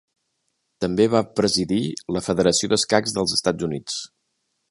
També va presidir la Federació d'Escacs dels Estats Units.